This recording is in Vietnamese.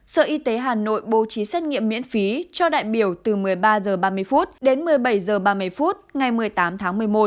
sở y tế hà nội bố trí xét nghiệm miễn phí cho đại biểu từ một mươi ba h ba mươi đến một mươi bảy h ba mươi phút ngày một mươi tám tháng một mươi một